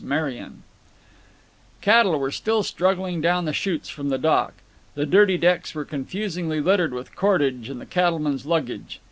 Merian. Cattle were still struggling down the chutes from the dock. The dirty decks were confusingly littered with cordage and the cattlemen's luggage.